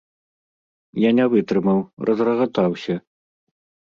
Я не вытрымаў, разрагатаўся.